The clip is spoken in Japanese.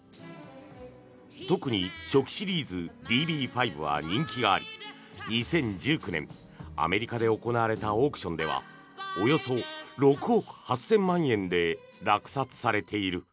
特に、初期シリーズＤＢ５は人気があり２０１９年、アメリカで行われたオークションではおよそ６億８０００万円で落札されている。